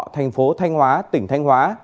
thành phố thanh hóa tỉnh thanh hóa